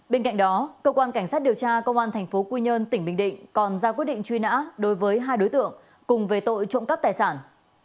bên cạnh đó cơ quan cảnh sát điều tra công an tp quy nhơn tỉnh bình định còn ra quyết định truy nã đối với hai đối tượng cùng về tội trộm cắp tài sản